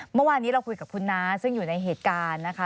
เมื่อวานนี้เราคุยกับคุณน้าซึ่งอยู่ในเหตุการณ์นะคะ